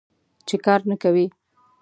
چې کار نه کوې.